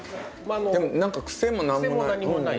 でも癖も何もない。